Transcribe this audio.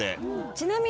ちなみに。